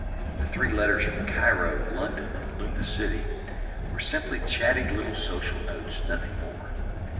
The three letters from Cairo, London, and Luna City were simply chatty little social notes, nothing more.